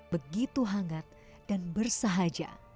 begitu hangat dan bersahaja